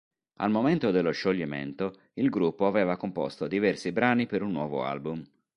Al momento dello scioglimento, il gruppo aveva composto diversi brani per un nuovo album.